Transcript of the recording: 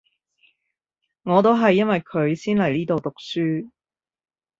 我都係因為佢先嚟呢度讀書